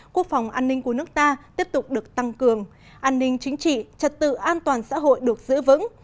quốc phòng an ninh của nước ta tiếp tục được tăng cường an ninh chính trị trật tự an toàn xã hội được giữ vững